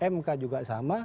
mk juga sama